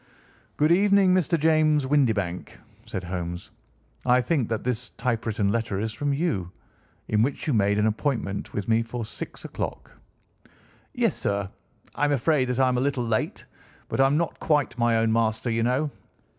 "Good evening, Mr. James Windibank," said Holmes. "I think that this typewritten letter is from you, in which you made an appointment with me for six o'clock?" "Yes, sir. I am afraid that I am a little late, but I am not quite my own master, you know.